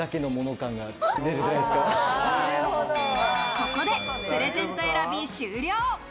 ここでプレゼント選び終了。